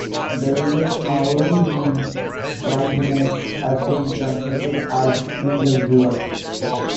The river's Maori name, 'Waihemo', has been translated as 'Dwindle River'.